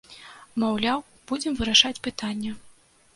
Маўляў, будзем вырашаць пытанне.